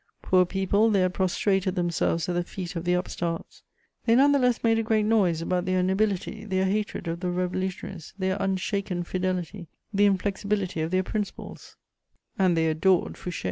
Poor people, they had prostrated themselves at the feet of the "upstarts;" they none the less made a great noise about their nobility, their hatred of the Revolutionaries, their unshaken fidelity, the inflexibility of their principles: and they adored Fouché.